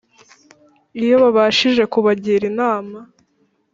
iyo babashije kubagira inama